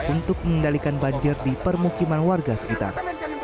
untuk mengendalikan banjir di permukiman warga sekitar